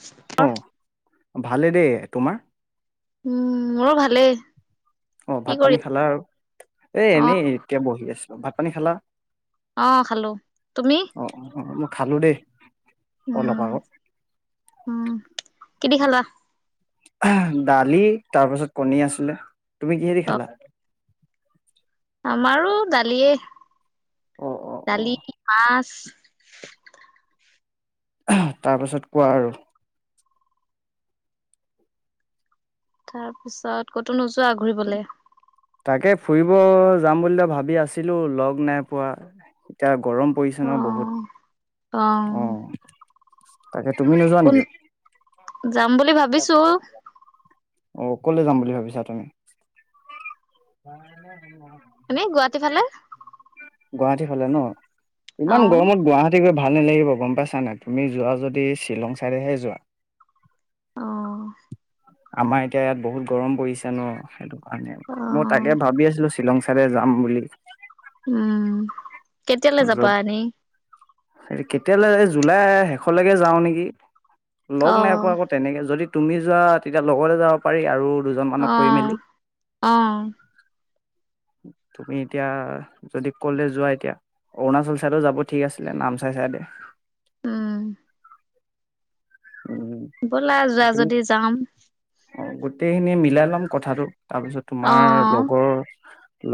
[unintelligible] অঁ, ভালে দেই, তোমাৰ? উম, মোৰো ভালেই। অঁ,, কি ভাত কৰি পানী আছিলা খালা আৰু। এই অ এনে এতে বহি আছোঁ। ভাত পানী খালা? অহ, খালোঁ। তুমি? উম, উম, মই খালোঁ দেই। অলপ উম আগত। উম, কিদি খালা? এহ, দালি তাৰপিছত কণী আছিলে। তুমি কিহেদি খালা? আমাৰোঁ দালিয়ে, অ' অ' দালি, অ' মাছ। অহ, তাৰপাছত কোৱা আৰু? তাৰ পিছত ক'তো নোযোৱা ঘূৰিবলে? তাকে ফুৰিব যাম বুলিটো ভাবি আছিলোঁ, লগ নাই পোৱা। এতিয়া গৰম- পৰিছে অ ন' বহুত। অ'। তাকে, তুমি নোযোৱা কোন নেকি? যাম বুলি ভাবিছো অহ, ক'লে যাম বুলি ভাবিছা তুমি? [unintelligible] এনে গুৱাহাটী ফালে। গুৱাহাটী ফালে ন'। অ ইমান গৰমত গুৱাহা টী গৈ ভাল নেলাগিব, গ'ম পাইছা নে নাই? তুমি যোৱা যদি শ্বিলং চাইডেহে যোৱা। অ আমাৰ এতিয়া ইয়াত বহুত গৰম পৰিছে ন', সেইটো কাৰণে। অ মই তাকে ভাবি আছিলোঁ শ্বিলং চাইদে যাম বুলি। উম, কেতিয়ালে যাবা এনে? এই কেতিয়ালে জুলাই শেষলৈকে যাওঁ নেকি। লগ অ নাই পোৱা আকৌ তেনেকে। যদি তুমি যোৱা, তেতিয়া লগতে যাব পাৰি আৰু দুজনমানক অ কৈ মেলি। অ তুমি এতিয়া যদি, ক'লে যোৱা এতিয়া? অৰুণাচল চাইডও যাব ঠিক আছ ছিলে নামচাই চাইদে। উম উম। বলা, যোৱা তুমি যদি যাম। অ', গোটেইখিনি মিলাই ল'ম কথাটো। তাৰপিছত অ তোমাৰ লগৰ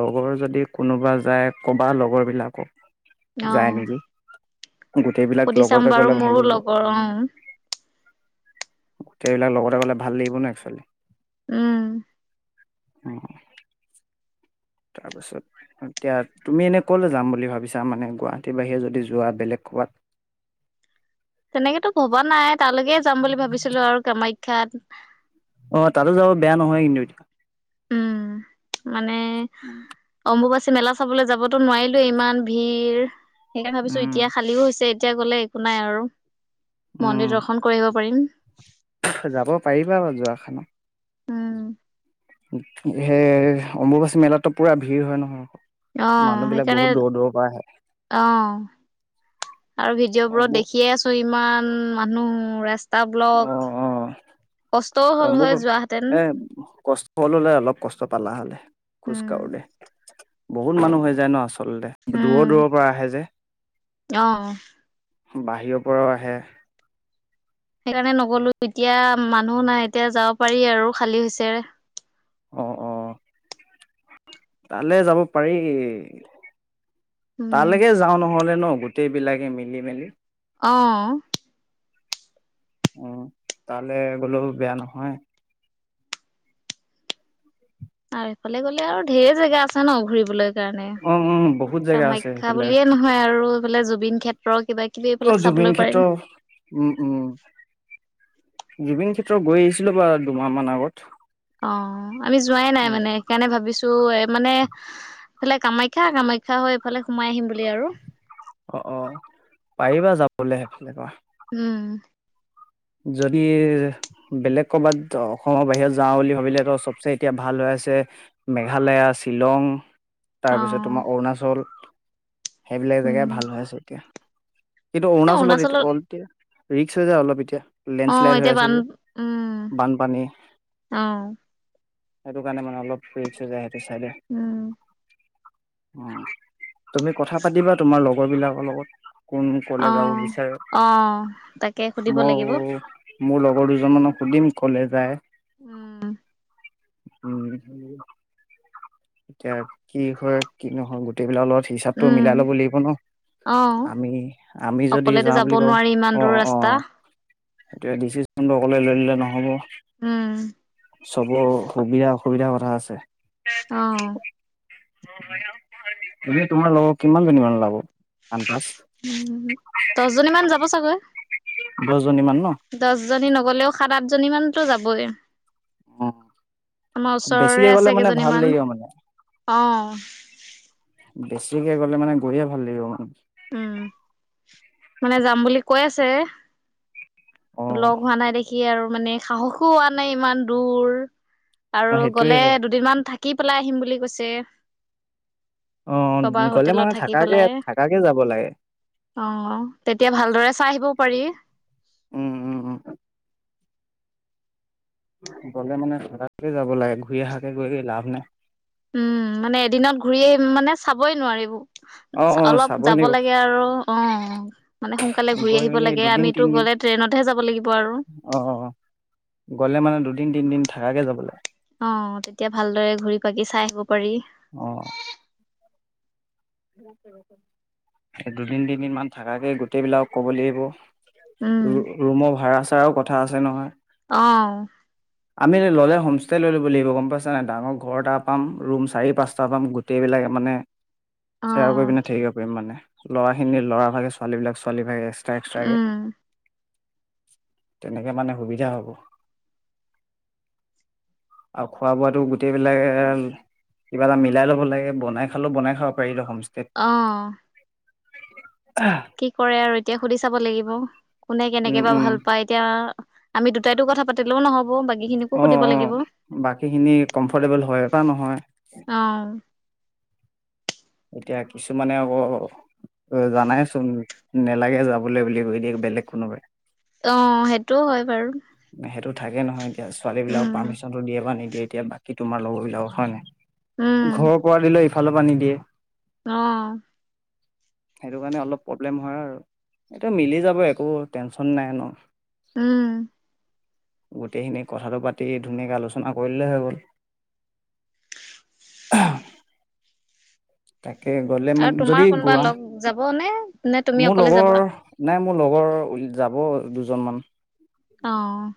লগৰ যদি কোনোবা যায়, ক'বা লগৰবিলাকক, অ যায় নেকি। গোটেইবিলাক সুধি চাম লগতে বাৰু গ'লে ভাল মোৰো লাগিব। লগৰ অ গোটেইাবিলাক লগতে গ'লে ভাল লাগিব ন' একচুৱেলী। উম। উম। তাৰপিছত এতিয়া, তুমি এনে ক'লে যাম বুলি ভাবিছা? মানে গুৱাহাটীৰ বাহিৰে যদি যোৱা, বেলেগ ক'ৰবাত। তেনেকেতো ভবা নাই। তালৈকে যাম বুলি ভাবিছিলোঁ আৰু, কামাখ্যাত। অহ, তাতো যাব বেয়া নহয় কিন্তু। উম মানে অম্বুবাচী মেলা চাবলে যাবতো নোৱাৰিলোঁৱে, ইমান ভিৰ। সেইকাৰণে ভাবিছোঁ উম এতিয়া খালিও হৈছে, এতিয়া গ'লে- একো নাই আৰু। মন্দিৰ উম দৰ্শন কৰিব পাৰিম। যাব পাৰিবা বা যোৱা খানত। উম সেই অম্বুবাচী মেলাতো পুৰা ভিৰ হয় নহয়। মানুহ অ', বিলাক সেইকাৰণে বহুত দূৰ দূৰৰ পৰা আহে অ'। আৰু ভিডিঅ' অম্ব বোৰত দেখিয়ে আছো ইমান মানুহ ৰা স্তা অ বলক, অ কষ্টও হ'ল হয় অম্বুবা যোৱাহেতেন। এ কষ্ট হললে অলপ কষ্ট পালা হলে খোজ উম কাঢ়ো দে। বহুত মানুহ হৈ যায় ন আচলতে। উম দূৰৰ দূৰৰ পৰা আহে যে, অ বাহিৰৰ পৰাও আহে। সেইকাৰণে নগ'লো এতিয়া মানুহ নাই এতিয়া যাব পাৰি আৰু খালী হৈছে। অ অ। তালে যাব পাৰি, উম তালৈকে যাওঁ নহলে ন গ টেইবিলাকে মিলি মেলি। অ। উম, তালে গলো বেয়া নহয়। আৰু এইফালে গলে আৰু ঢেৰ জেগা আছে ন ঘুৰিবলৈ কাৰণে উম উম বহুত জেগা আছে কামাখ্যা সেইফালে বুলিয়ে ন হয় আৰু এইফালে জুবিন ক্ষেত্ৰ কিবা কিবি অ এইবিলাক জুবিন চাবলৈ ক্ষেত্ৰ পাৰিম। উম উম, জুবিন ক্ষেত্ৰ গৈ আহিছিলো বা দুমাহমান আগত। অ, আমি যোৱাই নাই মানে সেইকাৰণে ভাবিছো এ মানে এইফালে কামাখ্যা - কামাখ্যা হৈ এইফালে সোমাই আহিম বুলি আৰু। অ অ, পাৰিবা যাবলৈ সেইফালে পৰা। উম। যদি বেলেগ ক'বাত অসমৰ বাহিৰত যাওঁ বুলি ভাবিলেতো চবচে এতিয়া ভাল হৈ আছে মেঘালয়া, শ্বিলং। তাৰ অ পিছত তোমাৰ অৰুণাচল সেইবিলাক উম জেগাই ভাল হৈ আছে এতিয়া। কিন্তু এ অৰুনাচলত এইটো অৰুণাচলত অল তিয়া, ৰিক্স হৈ যায় অলপ এতিয়া। অ লেণ্ডশ্লাইড হৈ এতিয়া আছে বান যে উম বানপানী। অ সেইটো কাৰণে মানে অলপ ৰিক্স হৈ যায় সেইটো চাইডে। উম। উম, তুমি কথা পাতিবা তোমাৰ লগৰবিলাকৰ লগত? কোন অ কলে যাব বিচাৰে, অ তাকে সুধিব মই লাগিব মোৰ লগৰ দুজনমানক সুধিম ক'লে যায়? উম। উম সেইয়ে। এতিয়া কি হয় কি নহয় গোটেইবিলাকৰ লগত হিচাপটো উম মিলাই ল'ব লাগিব ন? অ আমি, আমি যদি অকলেতো যাওঁ যাব বুলি কওঁ, নোৱাৰি ইমান অ দূৰ অ। ৰাস্তা সেইটোয়ে ডিচিশ্যনটো অকলে লৈ ললে নহ'ব। উম চবৰ সুবিধা অসুবিধাৰ কথা আছে। অ। এনে তোমাৰ লগৰ কিমানজনীমান ওলাব আন্দাজ? উম, দছজনীমান যাব চাগৈ। দছজনী মান ন? দছজনী নগলেও সাত, আঠজনী মানতো যাবই। অ' আমাৰ ওচৰৰে বেছিকে গ'লে আছে মানে ভাল কেইজনীমান লাগিব মানে। অ। বেছিকে গ'লে মানে গৈয়ে ভাল লাগিব মানে। উম মানে যাম বুলি কৈ আছে। লগ অ' হোৱা নাই দেখি আৰু মানে সাহসো হোৱা নাই ইমান দূৰ। আৰু সেইটোয়ে গ'লে দুদিনমান থাকি পেলাই আহিম বুলি কৈছে। অ কবাৰ গ'লে হোটেলত মানে থাকি থাকাকে পেলাই থাকাকে যাব লাগে। অ তেতিয়া ভালদৰে চাই আহিবও পাৰি। উম গ'লে মানে থাকাকে যাব লাগে, ঘূৰি অহাকে গৈ লাভ নাই। উম, মানে এদিনত ঘূৰি আহি মানে চাবই নোৱাৰিব। অ', অ' অলপ চাব যাব লাগিব লাগে আৰু, অ'। মানে সোনকালে ঘূৰি গৈ আহিব মেলি লাগে, দুদিন আমিতো তিনদিন গ'লে ট্ৰেইনতহে যাব লাগিব আৰু। অ গ'লে মানে দুদিন তিনদিন থাকাকে যাব লাগে। অ' তেতিয়া ভালদৰে ঘূৰি ফাকি চাই আহিব পাৰি। অ'। দুদিন তিনদিন মান থাকাকে গোটেইবলাকক ক'ব লাগিব। উম ৰু-ৰুমৰ ভাড়া চাৰাও কথা আছে নহয়। অ'। আমি ল'লে হোমষ্টে লৈ ল'ব লাগিব গম পাইছ নাই, ডাঙৰ ঘৰ এটা পাম, ৰুম চাৰি পাঁচটা পাম, গোটেইবিলাকে মানে অ শ্বেয়াৰ কৰি পিনে থাকিব পাৰিম মানে, ল'ৰাখিনি ল'ৰা ভাগে, ছোৱালীবিলাক ছোৱালী ভাগে। টা এক্সাকে উম তেনেকে মানে সুবিধা হ'ব। আৰু খোৱা বোৱাটো গোটেইবিলাকে কিবা এটা মিলাই ল'ব লাগে, বনাই খালোও বনাই খাব পাৰি হ'মষ্টেত। অ'। কি কৰে আৰু এতিয়া সুধি চাব লাগিব, কোনে উম কেনেকে বা উম ভাল পায়, এতিয়া আমিতো দু টাইতো কথা পাতিলেও নহ'ব, বাকীখিনিকো অ সুধিব অ লাগিব। বাকীখিনি কমফৰ্টেবল হয় বা নহয় অ'। এতিয়া কিছুমানে আকৌ, জানাইচোন। নেলাগে যাবলৈ বুলি কৈ দিয়ে বেলেগ কোনোবাই। অ' সেইটোও হয় বাৰু। সেইটো থাকে নহয় এতিয়া, ছোৱালীবিলাক উম পাৰ্মিচনটো দিয়ে বা নিদিয়ে, এতিয়া বাকী তোমাৰ লগৰবিলাকক হয় নহয়। উম ঘৰ পৰা দিলে এইফালৰ পৰা নিদিয়ে। অ'। সেইটো কাৰণে অলপ প্ৰব্লেম হয় আৰু। এইটো মিলি যাব একো টেনচন নাই ন'। উম। গোটেইখিনি কথাটো পাতি ধুনীয়াকে আলোচনা কৰিলেই হৈ গ'ল। তাকে গ'লে আৰু মান, তোমাৰ যদি কোনোবা গোৱা, লগ যাব নে নে তুমি মোৰ অকলে যাবা লগৰ নাই মোৰ লগৰ যাব দুজনমান। অ'।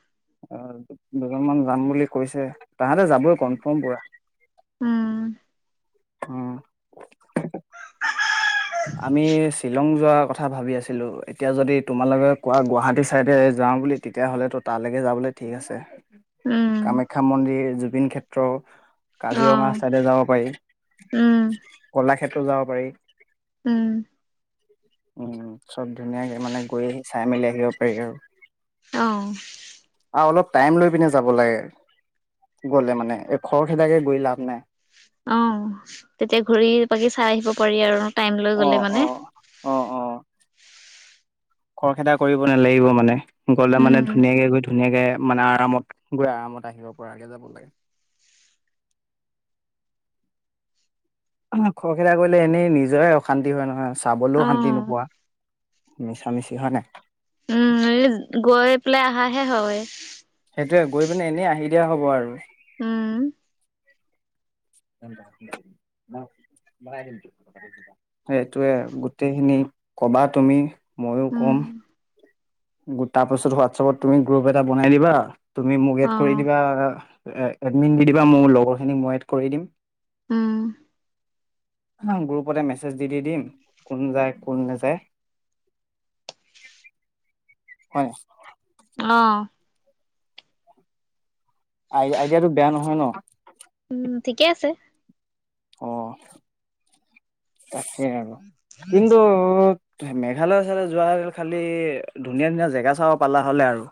অ' দুজনমান যাম বুলি কৈছে। তাহাঁতে যাবই উম কনফাৰ্ম পুৰা। অ'। আমি শ্বিলং যোৱা কথ থা ভাবি আছিলোঁ, এতিয়া যদি তোমালোকে কোৱা গুৱাহাটী ছাইডে যাওঁ বুলি তেতিয়াহ'লেতো তালৈকে যাবলে ঠিক আছে। [inaudible] উম। কামাখ্যা মন্দিৰ, জুবিন ক্ষেত্ৰ অ কাজিৰঙা চাইডে যাব পাৰি, উম কলাক্ষেত্ৰ যাব পাৰি। উম। উম, চব ধুনীয়াকে মানে গৈ আহি চাই মেলি আহিব পাৰি আৰু। অ'। আৰু অলপ টাইম লৈ পিনে যাব লাগে। গ'লে মানে, এ খৰ খেদাকে গৈ লাভ নাই। অ' তেতিয়া ঘুৰি পাকি চাই আহিব পাৰি আৰু টাইম লৈ অ গলে অ মানে। অ' অ'। খৰখেদা কৰিব নালাগিব মানে, গলে মানে উম ধুনীয়াকে গৈ ধুনীয়াকে মানে আৰামত গৈ আৰামত আহিব পৰাকে যাব লাগে। খৰখেদা কৰিলে এনেই নিজৰে অশান্তি হয় নহয়, চাবলেও অ শান্তি নোপোৱা। মিছা মিছি হয় নাই? উম গৈ পেলাই আহাহে হয়। সেইটোয়ে, গৈ পিনে এনেই আহি দিয়া হব আৰু। উম। [unintelligible] সেইটোৱে, গোটেইখিনি ক'বা তুমি, মইয়ো কম। উম গোটা পাছত হোৱাটছআপত তুমি গ্ৰুপ এটা বনাই দিবা, তুমি মোক এড অ কৰি দিবা, আ এ এডমিন দি দিবা, মোৰ লগৰখিনিক মই এড কৰি দিম। অ। গ্ৰুপতে মেছেজ দি দি দিম, কোন যায়, কোন নাযায়। হয়। অ। আই আইডিয়াটো বেয়া নহয় ন? উম, ঠিকে আছে। অ' তাকে আৰু, কিন্তু অ' মেঘালয়ৰ চাইডে যোৱা হ'লে খালি ধুনীয়া ধুনীয়া জেগা চাব পালা হ'লে আৰু।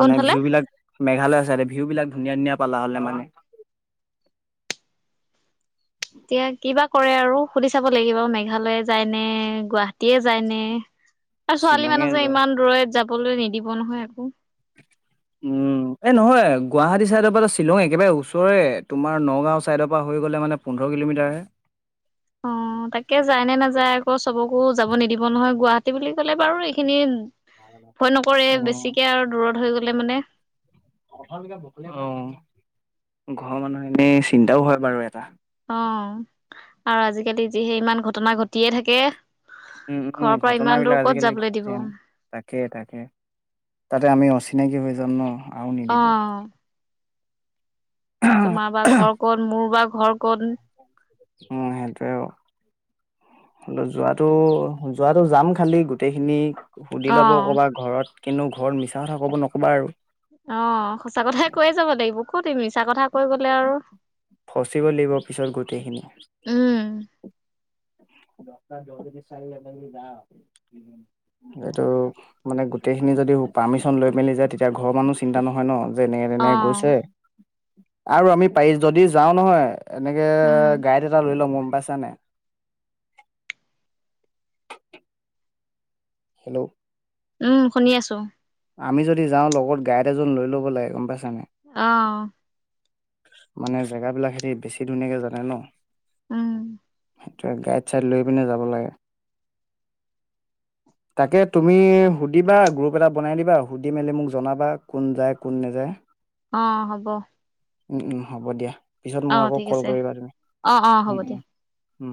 মানে কোনফালে ভিউবিলাক মেঘালয় চাইডে, ভিউবিলাক ধুনীয়া ধুনীয়া পালা হ'লে মানে। এতিয়া কি বা কৰে আৰু, সুধি চাব লাগিব মেঘালয়ে যায় নে, গুৱাহাটীয়ে যায় নে? [inaudible] এ ছোৱালী মানুহ যে, যায় ইমান দূৰৈত যাবলৈ নিদিব নহয় আকৌ। [inaudible] উম, এ নহয়, গুৱাহাটী চাইডৰ পৰা শ্বিলঙ একেবাৰে ওচৰে। তোমাৰ নগাঁও চাইডৰ পৰা হৈ গ'লে মানে পোন্ধৰ কিলো'মিটাৰহে। অ [inaudible] তাকে যায় নে নাযায় আকৌ, চবকো যাব নিদিব নহয়। গুৱাহাটী বুলি কলে বাৰু এইখিনি ভয় নকৰে, অ বেছিকে আৰু দূৰত হৈ গ'লে মানে। অ, ঘৰৰ মানুহখিনি চিন্তাও হয় বাৰু এটা। অ, আৰু আজিকালি যিহে ইমান ঘটনা ঘটিয়ে থাকে। উম, উম। ঘৰৰ পৰা ইমান দূৰ ঘটনাবিলাক ক'ত আজিকালি যাবলৈ ঘটি দিব থাকে। তাকে, তাকে। তাতে আমি অচিনাকি হৈ যাম ন, আৰু অ নিদিব। তোমাৰ বা ঘৰ ক'ত? মোৰ বা ঘৰ ক'ত? উম, সেইটোয়ে আৰু। যোৱাটো, যোৱাটো যাম খালি গোটেইখিনি। সুধি অ ল'ব ক'বা ঘৰত। কিন্তু ঘৰত মিছা কথা ক'ব নক'বা আৰু। অ, সঁচা কথাই কৈয়ে যাব লাগিব। ক'ত এই মিছা কথা কৈ গ'লে আৰু, ফচিব লাগিব পিছত গোটেইখিনি উম। [unintelligible] সেইটো মানে গোটেইখিনি যদি পাৰ্মিশ্বন লৈ মেলি যায়, তেতিয়া ঘৰৰ মানুহ চিন্তা নহয় ন। যেনেকে অ তেনেকে কৈছে, আৰু আমি প্ৰাইচ যদি যাওঁ নহয় এনেকে উম গাইড এটা লৈ ল'ম গম পাইছা নাই? হেল্ল'! উম, শুনি আছোঁ। আমি যদি যাওঁ লগত গাইড এজন লৈ ল'ব লাগে, গম পাইছা নাই? অ'। মানে জেগাবিলাক সিহঁতি বেছি ধুনীয়াকে জানে ন। উম। ত' গাইড-চাইড লৈ পিনে যাব লাগে। তাকে তুমি সুধিবা, গ্ৰুপ এটা বনাই দিবা, সুধি মেলি মোক জনাবা কোন যায়, কোন নাযায়। অ' হ'ব। উম, উম, হ'ব দিয়া পিছত অ মোক আকৌ ঠিক ক'ল আছে কৰিবা তুমি, অ অ হ'ব উম, দিয়া উম। উম